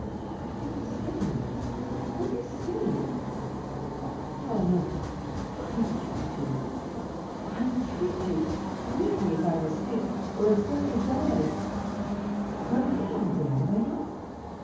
"What are you saying? What are you saying? ... Oh, no, no! ... I entreat you! ... Wake me, if I am asleep ... or else let me die! ... But I am dead, am I not?